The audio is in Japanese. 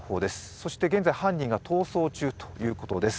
そして、現在、犯人が逃走中ということです。